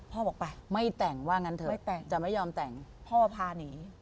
บอกไปไม่แต่งว่างั้นเถอะจะไม่ยอมแต่งพ่อพาหนี